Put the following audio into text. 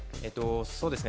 そうですね